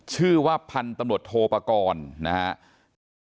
ชื่อว่าพันธุ์ตำรวจโทปกรณ์นะครับ